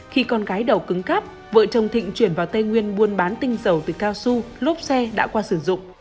khi con gái đầu cứng cắp vợ chồng thịnh chuyển vào tây nguyên buôn bán tinh dầu từ cao su lốp xe đã qua sử dụng